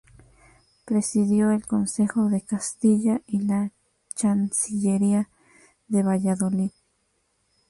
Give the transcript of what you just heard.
Presidió el Consejo de Castilla y la Chancillería de Valladolid.